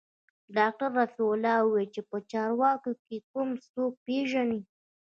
ډاکتر رفيع الله وويل چې په چارواکو کښې کوم څوک پېژني.